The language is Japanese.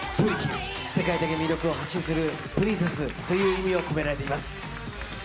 ＰＲＩＫＩＬ、世界的魅力を発信するプリンセスという意味が込められています。